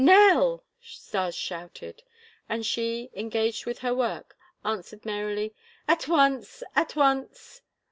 "Nell!" Stas shouted. And she, engaged with her work, answered merrily: "At once! At once!"